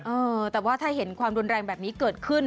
เออแต่ว่าถ้าเห็นความรุนแรงแบบนี้เกิดขึ้น